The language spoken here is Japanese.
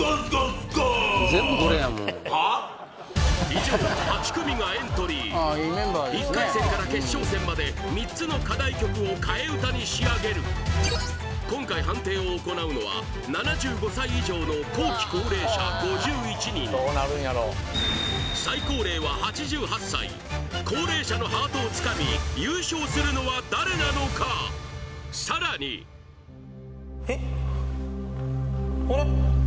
以上８組がエントリー１回戦から決勝戦まで３つの課題曲を替え歌に仕上げる今回最高齢は８８歳高齢者のハートをつかみ優勝するのは誰なのかさらにえっあれ？